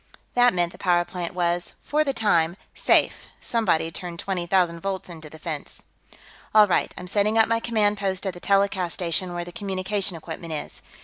That meant the power plant was, for the time, safe; somebody'd turned twenty thousand volts into the fence. "All right. I'm setting up my command post at the telecast station, where the communication equipment is."